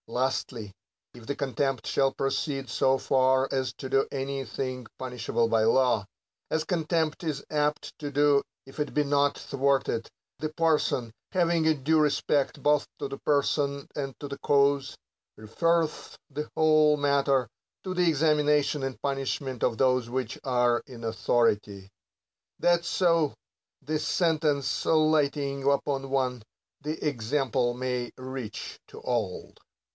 Lastly, if the contempt shall proceed so far as to do any thing punish able by law, as contempt is apt to do if it be not thwarted, the parson, having a due respect both to the person and to the cause, referreth the whole matter to the examination and punishment of those which are in authority : that so, the sentence lighting upon one, the example may reach to all.